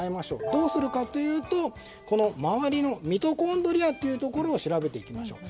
どうするかというと、周りのミトコンドリアというところを調べていきましょう。